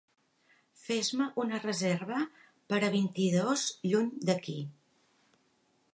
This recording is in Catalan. Fes-me una reserva per a vint-i-dos lluny d'aquí